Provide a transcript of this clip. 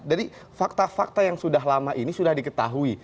jadi fakta fakta yang sudah lama ini sudah diketahui